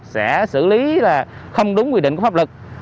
sẽ xử lý là không đúng quy định của pháp luật